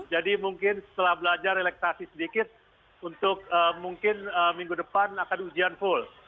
jadi mungkin setelah belajar relektasi sedikit untuk mungkin minggu depan akan ada ujian full